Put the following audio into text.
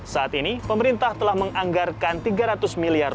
saat ini pemerintah telah menganggarkan rp tiga ratus miliar